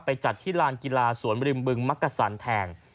จัดที่ลานกีฬาสวนบริมบึงมักกะสันแทน